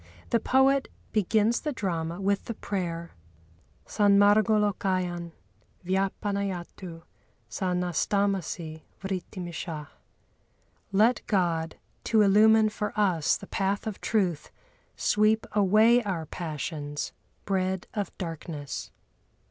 The poet begins the drama with the prayer, "Sanmârgâlókayan vyapanayatu sa nastâmasi vritimishah" (Let God, to illumine for us the path of truth, sweep away our passions, bred of darkness).